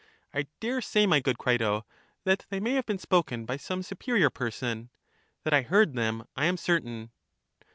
I dare say, my good Crito, that they may have been spoken by some superior person. That I heard them I am certain.